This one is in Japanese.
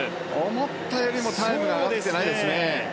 思ったよりもタイムが上がってきてないですね。